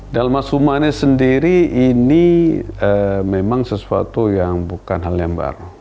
dalmas humanis sendiri ini memang sesuatu yang bukan hal yang baru